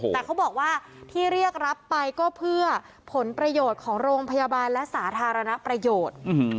แต่เขาบอกว่าที่เรียกรับไปก็เพื่อผลประโยชน์ของโรงพยาบาลและสาธารณประโยชน์